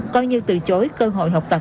coi như từ chối cơ hội học tập